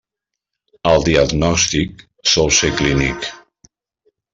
El diagnòstic sol ser clínic.